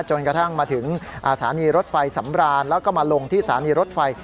จนกระทั่งมาถึงสถานีรถไฟสำรานแล้วก็มาลงที่สถานีรถไฟ